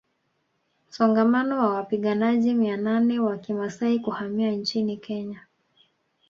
Msongamano wa wapiganaji mia nane wa Kimasai kuhamia nchini Kenya